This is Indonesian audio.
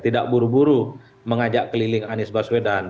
tidak buru buru mengajak keliling anies baswedan